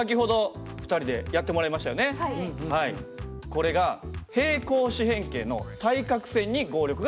これが平行四辺形の対角線に合力が生まれます。